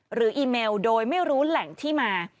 อีเมลโดยไม่รู้แหล่งที่มา